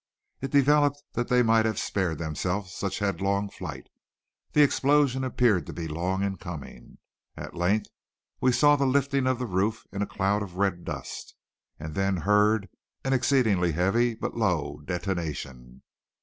It developed that they might have spared themselves such headlong flight. The explosion appeared to be long in coming. At length we saw the lifting of the roof in a cloud of red dust, and then heard an exceedingly heavy but low detonation.